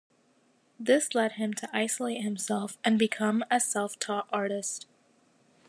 This led him to isolate himself and become a self-taught artist.